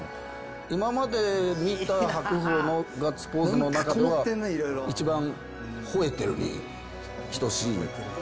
今まで見た白鵬のガッツポーズの中では、一番ほえてるに等しい。